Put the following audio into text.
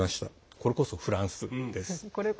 これこそフランスです。